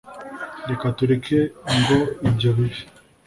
Reka tureke ngo ibyo bibe